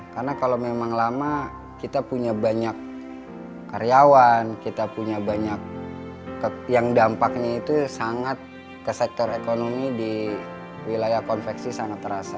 karena kalau memang lama kita punya banyak karyawan kita punya banyak yang dampaknya itu sangat ke sektor ekonomi di wilayah konveksi sangat terasa